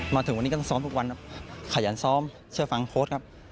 มาถึงวันนี้ก็ต้องซ้อมทุกวันครับขยันซ้อมเชื่อฟังโค้ดครับ